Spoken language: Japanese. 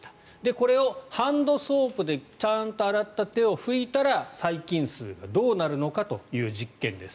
これをハンドソープでちゃんと洗った手を拭いたら細菌数がどうなるのかという実験です。